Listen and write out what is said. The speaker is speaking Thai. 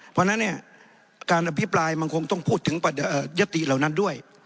เพราะฉะนั้นเนี่ยการอภิปรายมันคงต้องพูดถึงยติเหล่านั้นด้วย